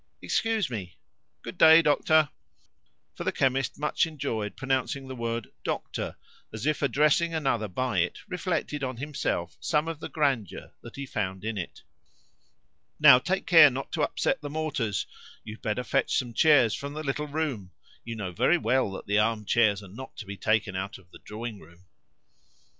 Excuse me. Good day, doctor," (for the chemist much enjoyed pronouncing the word "doctor," as if addressing another by it reflected on himself some of the grandeur that he found in it). "Now, take care not to upset the mortars! You'd better fetch some chairs from the little room; you know very well that the arm chairs are not to be taken out of the drawing room."